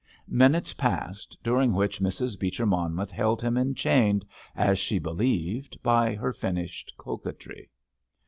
Minutes passed, during which Mrs. Beecher Monmouth held him enchained, as she believed, by her finished coquetry.